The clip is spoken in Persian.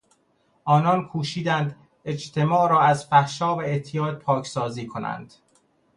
آنان کوشیدند اجتماع را از فحشا و اعتیاد پاکسازی کنند.